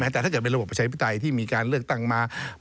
แต่ถ้าเกิดเป็นระบบประชาธิปไตยที่มีการเลือกตั้งมา